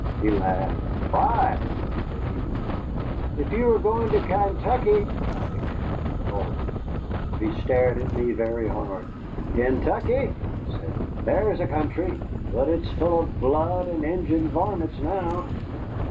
He laughed. "Why?" said he. "If you were going to Kaintuckee " I began, and faltered. For he stared at me very hard. "Kaintuckee!" he said. "There's a country! But it's full of blood and Injun varmints now.